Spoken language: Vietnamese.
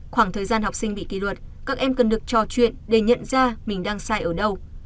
khoảng thời gian học sinh bị kỳ luật các em cần được trò chuyện để nhận ra mình đang sai ở đâu